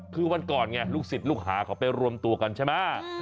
คือวันก่อนไงลูกศิษย์ลูกหาเขาไปรวมตัวกันใช่ไหม